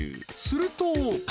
［すると］